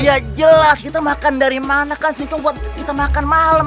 ya jelas kita makan dari mana kan situng buat kita makan malam